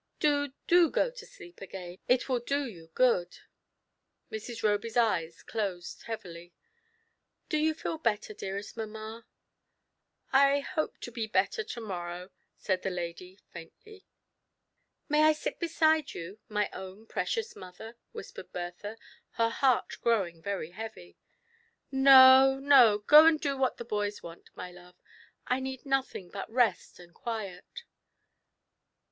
Do, do go to sleep again ; it will do you good." Mrs. Roby's eyes closed heavily. " Do you feel better, dearest mamma ?"" I hope to be better to morrow," said the lady, faintly. TRIALS AND TROUBLES. 73 " May I sit beside you, my own precious mother ?" whispered Bertha, her heart growing very heavy. " No, no ; go and do what the boys want, my love ; I need nothing but rest and quiet."